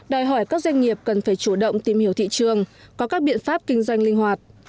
đòi hỏi các doanh nghiệp cần phải chủ động tìm hiểu thị trường có các biện pháp kinh doanh linh hoạt